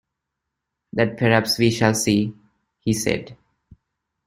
"That perhaps we shall see," he said.